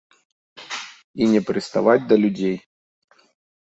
І не прыставаць да людзей.